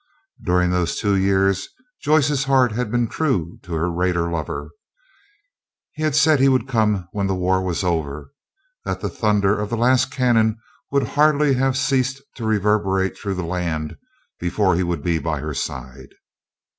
During these two years Joyce's heart had been true to her raider lover. He had said that he would come when the war was over, that the thunder of the last cannon would hardly have ceased to reverberate through the land before he would be by her side.